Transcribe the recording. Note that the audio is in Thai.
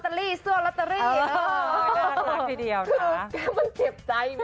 ไม่ได้ลาดทีเดียวค่ะ